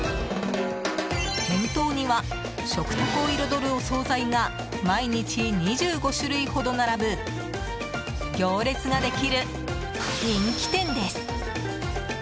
店頭には食卓を彩るお総菜が毎日２５種類ほど並ぶ行列ができる人気店です！